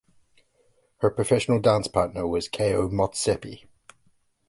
Her professional dance partner was Keo Motsepe.